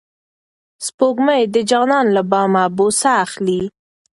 سپوږمۍ د جانان له بامه بوسه اخلي.